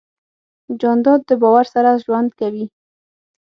جانداد د باور سره ژوند کوي.